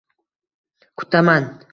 -Kutaman.